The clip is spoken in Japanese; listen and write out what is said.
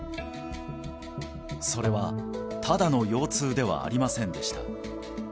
それはただの腰痛ではありませんでした